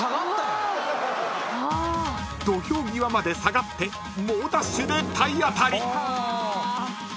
［土俵際まで下がって猛ダッシュで体当たり］